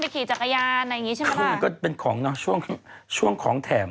เขาหุ่นเปลี่ยนไปรู้สึกอย่างไร